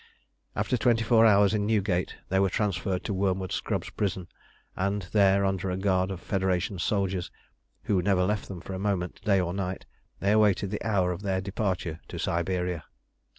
After twenty four hours in Newgate they were transferred to Wormwood Scrubs Prison, and there, under a guard of Federation soldiers, who never left them for a moment day or night, they awaited the hour of their departure to Siberia.